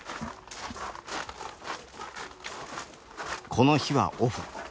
この日はオフ。